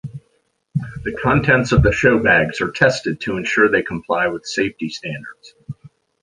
The contents of the showbags are tested to ensure they comply with safety standards.